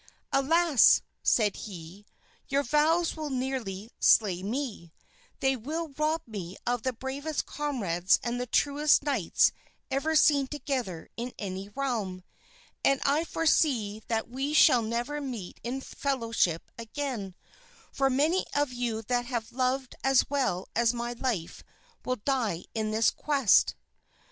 "Alas," said he, "your vows will nearly slay me; they will rob me of the bravest comrades and the truest knights ever seen together in any realm; and I foresee that we shall never meet in fellowship again, for many of you that I have loved as well as my life will die in this quest."